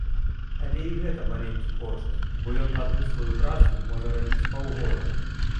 Але і гэта маленькі кошт, бо ён адну сваю працу можа рабіць паўгода.